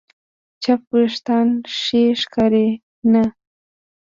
چپ وېښتيان ښې ښکاري نه.